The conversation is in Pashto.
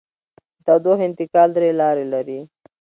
د تودوخې انتقال درې لارې لري.